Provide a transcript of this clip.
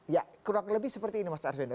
ya kurang lebih seperti ini mas arswendo